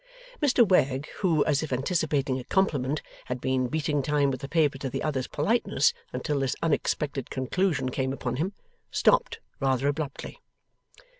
Mr Wegg, who, as if anticipating a compliment, had been beating time with the paper to the other's politeness until this unexpected conclusion came upon him, stopped rather abruptly.